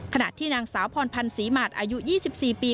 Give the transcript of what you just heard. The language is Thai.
ขณะที่นางสาวพรพันธ์ศรีหมาดอายุ๒๔ปี